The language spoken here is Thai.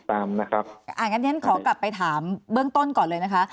อย่างนั้นฉันขอกลับไปถามเบื้องต้นก่อนเลยนะคะ